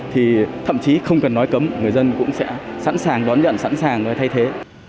thì thậm chí không cần nói cấm người dân cũng sẽ sẵn sàng đón nhận sẵn sàng thay thế